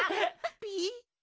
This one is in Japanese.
ピ？